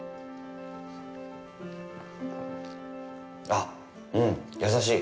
あっ、うん、優しい。